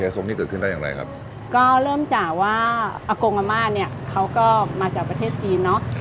คุณพ่อคุณแม่แล้วก็รุ่นพี่